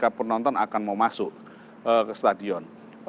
apakah penonton akan mau masuk ke stadion